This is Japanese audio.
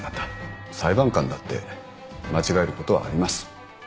裁判官だって間違えることはあります。